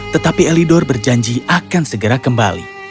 tetapi elidor berjanji akan segera kembali